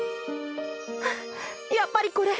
やっぱりこれ。